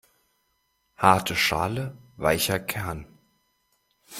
Harte Schale weicher Kern.